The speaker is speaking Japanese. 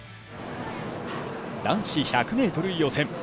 男子１００ｍ予選。